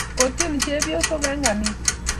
koityeni chepyosok eng' kaniset